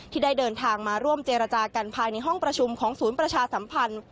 ที่ได้เดินทางมาร่วมเจรจากันภายในห้องประชุมของศูนย์ประชาสัมพันธ์